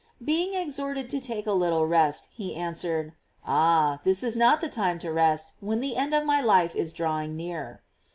Being exhorted to take a little rest, he answered: "Ah, this is not the time to rest when the end of my life is drawing near."